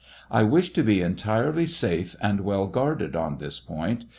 37:) I wish to be entirely safe and well guarded on this point.